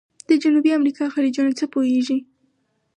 د جنوبي امریکا خلیجونه څه پوهیږئ؟